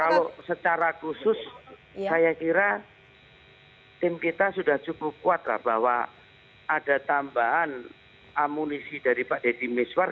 kalau secara khusus saya kira tim kita sudah cukup kuat lah bahwa ada tambahan amunisi dari pak deddy miswar